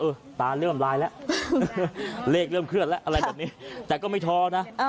ตาเริ่มลายแล้วเลขเริ่มเคลื่อนแล้วอะไรแบบนี้แต่ก็ไม่ท้อนะ